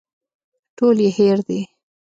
ټول يې هېر دي.